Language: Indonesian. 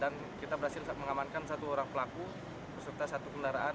dan kita berhasil mengamankan satu orang pelaku berserta satu kendaraan